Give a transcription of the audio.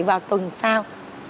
vào tuần sau